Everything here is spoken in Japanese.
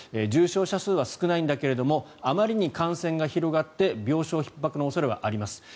重症者数は少ないんだけれどもあまりに感染が広がって病床ひっ迫の恐れはあります